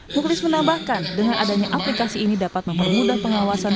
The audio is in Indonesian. muklis menambahkan dengan adanya aplikasi ini dapat mempermudah pengawasan